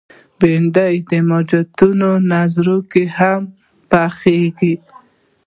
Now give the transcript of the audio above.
بېنډۍ د جوماتونو نذر کې هم پخېږي